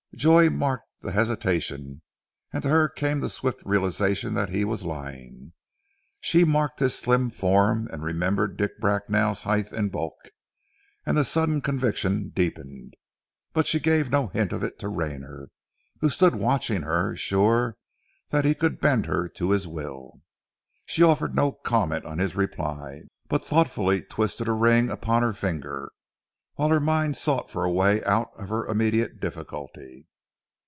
Joy had marked the hesitation, and to her came the swift realization that he was lying. She marked his slim form, and remembered Dick Bracknell's height and bulk, and the sudden conviction deepened. But she gave no hint of it to Rayner, who stood watching her, sure that he could bend her to his will. She offered no comment on his reply, but thoughtfully twisted a ring upon her finger, while her mind sought for a way out of her immediate difficulty.